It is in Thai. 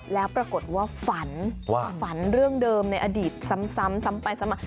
แล้วปรากฏว่าฝันว่าฝันเรื่องเดิมในอดีตซ้ำไปซ้ำมา